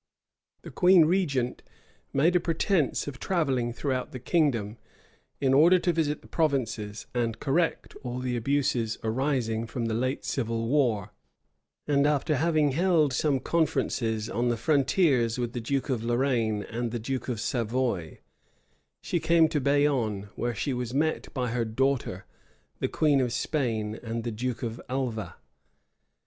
The queen regent made a pretence of travelling through the kingdom, in order to visit the provinces, and correct all the abuses arising from the late civil war; and after having held some conferences on the frontiers with the duke of Lorraine and the duke of Savoy, she came to Bayonne, where she was met by her daughter, the queen of Spain, and the duke of Alva.